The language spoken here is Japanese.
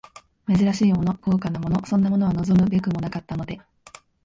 珍しいもの、豪華なもの、そんなものは望むべくもなかったので、